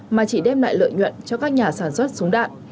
mà chỉ đem lại lợi nhuận cho các nhà sản xuất súng đạn